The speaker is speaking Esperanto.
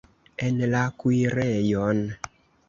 En la kuirejon!